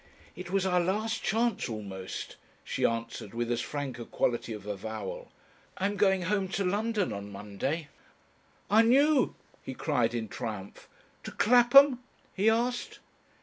"It was our last chance almost," she answered with as frank a quality of avowal. "I'm going home to London on Monday." "I knew," he cried in triumph. "To Clapham?" he asked.